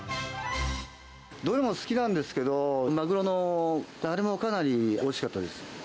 どれも好きなんですけど、マグロの、あれもかなりおいしかったです。